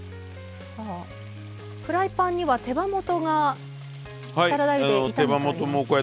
フライパンには手羽元がサラダ油で炒めてあります。